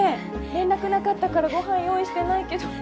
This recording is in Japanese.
連絡なかったからご飯用意してないけど。